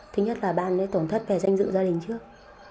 thứ nhất là bạn ấy tổn thất về danh dự gia đình trước